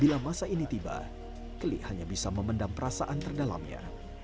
bila masa ini tiba keli hanya bisa memendam perasaan terdalamnya